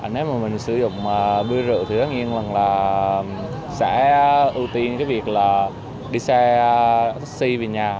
nếu mà mình sử dụng bia rượu thì đáng nghiêng là sẽ ưu tiên cái việc là đi xe taxi về nhà